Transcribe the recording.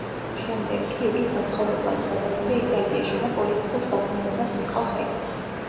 შემდეგ კი იგი საცხოვრებლად გადავიდა იტალიაში და პოლიტიკურ საქმიანობას მიჰყო ხელი.